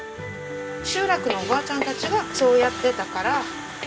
集落のおばあちゃんたちがそうやってたから。